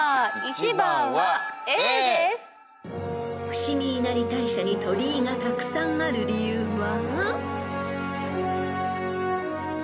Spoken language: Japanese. ［伏見稲荷大社に鳥居がたくさんある理由は］